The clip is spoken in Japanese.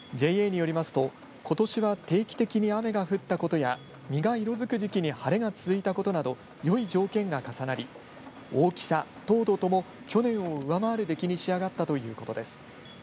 ＪＡによりますと、ことしは定期的に雨が降ったことや身が色づく時期に晴れが続いたことなど、よい条件が重なり大きさ、糖度とも去年を上回る出来に仕上がったということです。